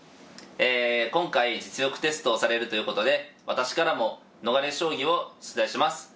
今回実力テストをされるということで私からも逃れ将棋を出題します。